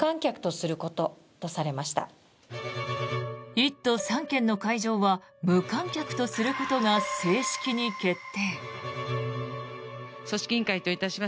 １都３県の会場は無観客とすることが正式に決定。